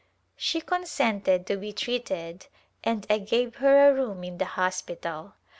She consented to be treated and 1 gave her a room in the hospital.